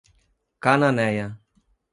Cananéia